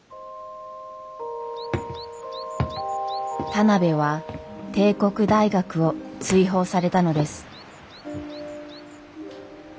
田邊は帝国大学を追放されたのです。